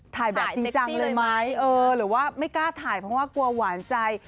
ถ่ายแบบจริงจังเลยไหมเออหรือว่าไม่กล้าถ่ายเพราะว่ากลัวหวานใจ